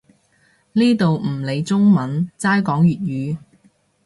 呢度唔理中文，齋講粵語